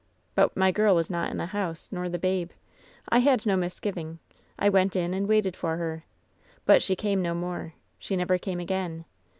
"But my girl was not in the house, nor the babe. I had no misgiving. I went in and waited for her. But she came no more. She never came again.